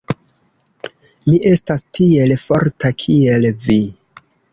Mi estas tiel forta, kiel vi.